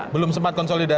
belum sempat konsolidasi